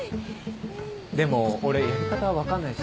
でも俺やり方分かんないし。